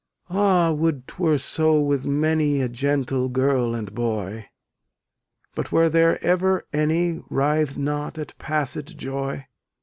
Ah! would 'twere so with many A gentle girl and boy! But were there ever any Writh'd not at passed joy?